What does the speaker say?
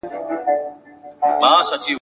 چي هر چا ویل احسان د ذوالجلال وو !.